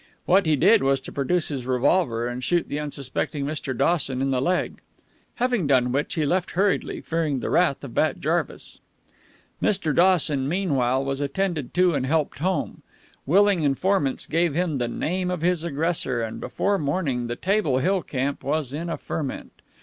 What he did was to produce his revolver, and shoot the unsuspecting Mr. Dawson in the leg. Having done which, he left hurriedly, fearing the wrath of Bat Jarvis. Mr. Dawson, meanwhile, was attended to and helped home. Willing informants gave him the name of his aggressor, and before morning the Table Hill camp was in a ferment.